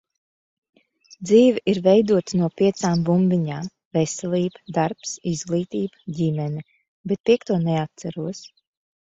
Dzīve ir veidota no piecām bumbiņām - veselība, darbs, izglītība, ģimene, bet piekto neatceros.